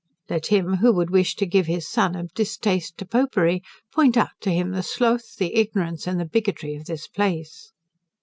Let him who would wish to give his son a distaste to Popery, point out to him the sloth, the ignorance, and the bigotry of this place.